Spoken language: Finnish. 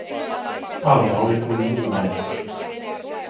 Alma oli kuin huumeessa.